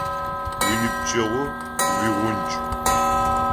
Уиныбджэгъу уигъундж.